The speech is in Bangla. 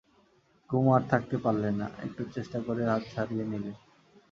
কুমু আর থাকতে পারলে না, একটু চেষ্টা করেই হাত ছাড়িয়ে নিলে।